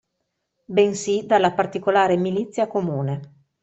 Bensì dalla particolare milizia comune.